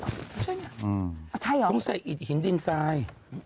ใช่หรือใช่หรืออืมต้องใส่อิดหินดินไซด์